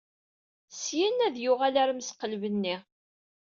Syin ad yuɣal ɣer mseqleb-nni.